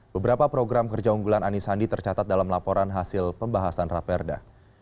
beberapa program kerja unggulan anisandi tercatat dalam laporan hasil pembahasan raperda